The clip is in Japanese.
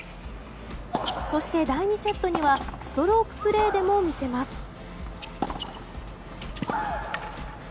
そして第２セットにはストロークプレーでも見せます。